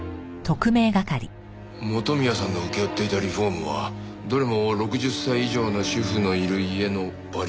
元宮さんの請け負っていたリフォームはどれも６０歳以上の主婦のいる家のバリアフリー施工か。